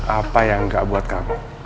apa yang enggak buat kamu